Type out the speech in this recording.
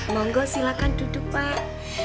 monggo silahkan duduk pak